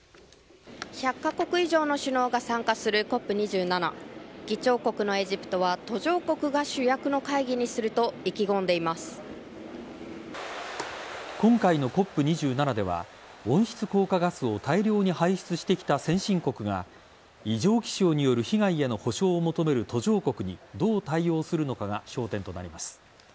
１００カ国以上の首脳が参加するＣＯＰ２７議長国のエジプトは途上国が主役の会議にすると今回のＣＯＰ２７では温室効果ガスを大量に排出してきた先進国が異常気象による被害への補償を求める途上国にどう対応するのかが焦点となります。